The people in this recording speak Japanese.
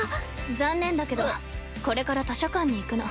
残念だけどこれから図書館に行くの。